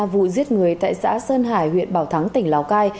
vụ giết người tại xã sơn hải huyện bảo thắng tỉnh lào cai